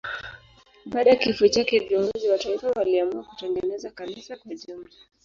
Baada ya kifo chake viongozi wa taifa waliamua kutengeneza kanisa kwa jumla.